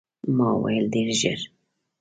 ما وویل، ډېر ژر.